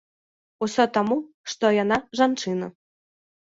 Усё таму, што яна жанчына.